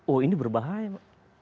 oh ini berbahaya